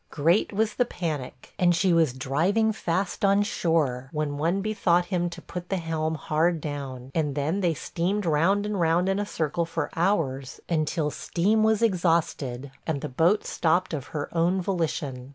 Great was the panic, and she was driving fast on shore, when one bethought him to put the helm hard down; and then they steamed round and round in a circle for hours until steam was exhausted, and the boat stopped of her own volition.